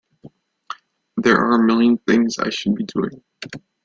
There are a million things I should be doing.